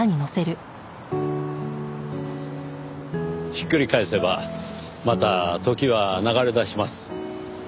ひっくり返せばまた時は流れ出します。